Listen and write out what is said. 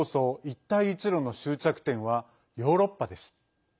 一帯一路の終着点はヨーロッパです。